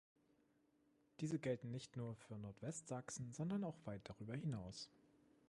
Diese gelten nicht nur für Nordwestsachsen, sondern auch weit darüber hinaus.